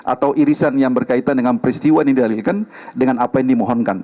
atau irisan yang berkaitan dengan peristiwa ini didalikan dengan apa yang dimohonkan